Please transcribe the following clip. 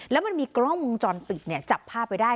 แล้วมันมีกล้องมุมจอนปิดเนี่ยจับผ้าไปได้